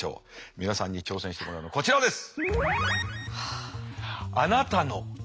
皆さんに挑戦してもらうのはこちらです。